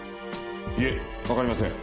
いえわかりません。